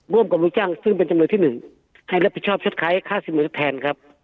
ร่วมกับลูกจ้างซึ่งเป็นจำเลยที่หนึ่งให้รับผิดชอบชดใช้ค่าสินมือทดแทนครับ